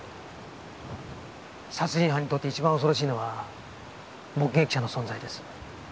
殺人犯にとって一番恐ろしいのは目撃者の存在です。